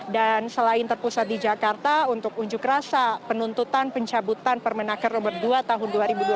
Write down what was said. dan selain terpusat di jakarta untuk unjuk rasa penuntutan pencabutan permenaker nomor dua tahun dua ribu dua puluh dua